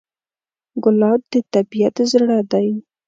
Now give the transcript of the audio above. ګلاب د طبیعت زړه دی.